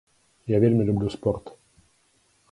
Я вельмі люблю спорт.